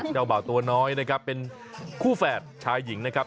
เจ้าบ่าวตัวน้อยนะครับเป็นคู่แฝดชายหญิงนะครับ